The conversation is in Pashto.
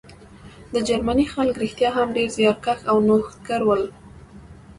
د جرمني خلک رښتیا هم ډېر زیارکښ او نوښتګر وو